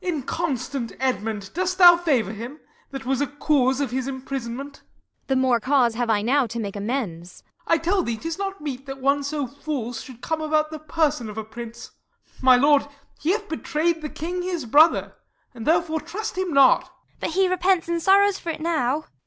Y. Mor. Inconstant Edmund, dost thou favour him, That wast a cause of his imprisonment? Kent. The more cause now have I to make amends. Y. Mor. [aside to Q. ISAB.] I tell thee, 'tis not meet that one so false Should come about the person of a prince. My lord, he hath betray'd the king his brother, And therefore trust him not. P. Edw. But he repents, and sorrows for it now.